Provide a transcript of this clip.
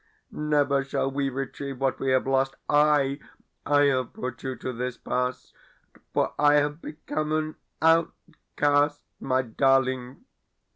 Never shall we retrieve what we have lost. I I have brought you to this pass, for I have become an outcast, my darling.